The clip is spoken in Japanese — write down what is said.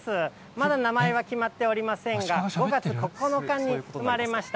まだ名前は決まっておりませんが、５月９日に産まれました。